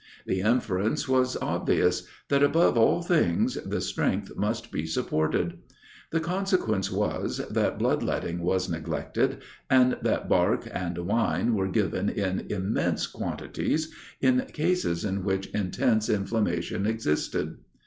The inference was obvious, that, above all things, the strength must be supported. The consequence was, that blood letting was neglected, and that bark and wine were given in immense quantities, in cases in which intense inflammation existed.